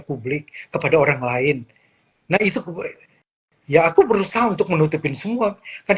publik kepada orang lain nah itu ya aku berusaha untuk menutupin semua kan